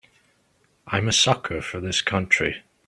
I'm a sucker for this country.